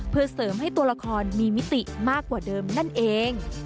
เพื่อเสริมให้ตัวละครมีมิติมากกว่าเดิมนั่นเอง